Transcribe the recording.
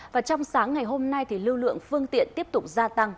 và trong sáng ngày hôm nay thì lưu lượng phương tiện tiếp tục gia tăng